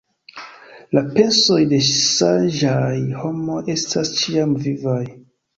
La pensoj de saĝaj homoj estas ĉiam vivaj.